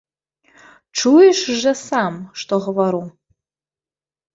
Чуеш жа сам, што гавару.